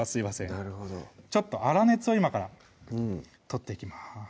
なるほど粗熱を今から取っていきます